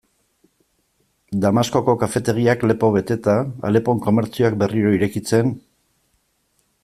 Damaskoko kafetegiak lepo beteta, Alepon komertzioak berriro irekitzen...